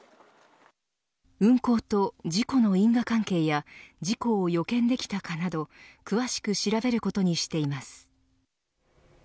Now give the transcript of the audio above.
運航と事故の因果関係や事故を予見できたかなど詳しく調べることにしています。